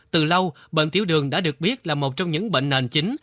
từ lâu bệnh thiểu đường đã được biết là một trong những bệnh nền chính